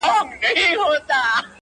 د خپلي ژبي په بلا،